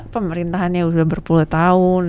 pemerintahannya udah berpuluh tahun